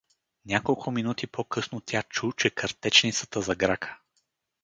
Няколко минути по-късно тя чу, че картечницата заграка.